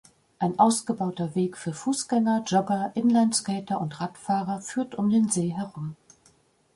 Ein ausgebauter Weg für Fußgänger, Jogger, Inlineskater und Radfahrer führt um den See herum.